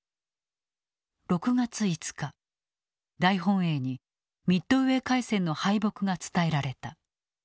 ６月５日大本営にミッドウェー海戦の敗北が伝えられた。